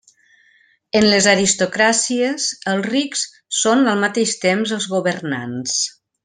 En les aristocràcies, els rics són al mateix temps els governants.